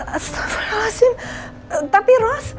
astagfirullahaladzim tapi ros